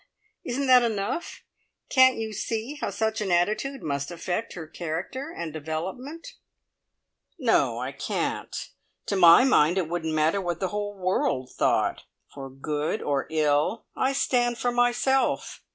Isn't that enough? Can't you see how such an attitude must affect her character and development?" "No, I can't. To my mind it wouldn't matter what the whole world thought. For good or ill, I stand for myself.